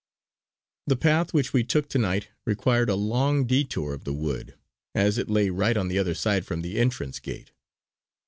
The path which we took to night required a long detour of the wood, as it lay right on the other side from the entrance gate.